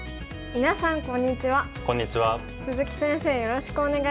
みなさんこんにちは。